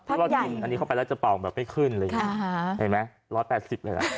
ถ้าว่ากินอันนี้เข้าไปแล้วจะเป่าไม่ขึ้นเลยใช่ไหมรอด๘๐เลยล่ะ